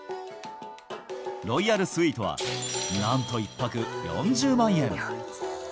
ロイヤルスイートは、なんと１泊４０万円。